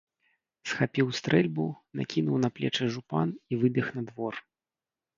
Схапіў стрэльбу, накінуў на плечы жупан і выбег на двор.